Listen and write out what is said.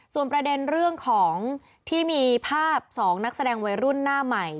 ส่วนประเด็นเรื่องของที่มีภาพ๒นักแสดงวัยรุ่นหน้าใหม่